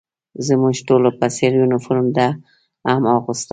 زموږ ټولو په څېر یونیفورم ده هم اغوسته.